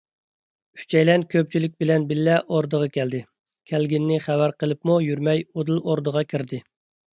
ئۈچەيلەن كۆپچىلىك بىلەن بىللە ئوردىغا كەلدى، كەلگىنىنى خەۋەر قىلىپمۇ يۈرمەي ئۇدۇل ئوردىغا كىردى.